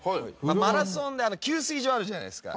マラソンで給水所あるじゃないですか。